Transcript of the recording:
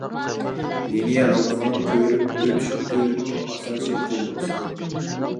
لىنىيە ھالقىغان كۆۋرۈك ئۆتۈشمە كۆۋرۈكنىڭ ئاساسىي قۇرۇلمىسىدۇر.